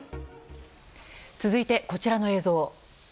続いて、こちらの映像。